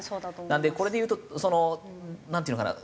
なのでこれでいうとなんていうのかな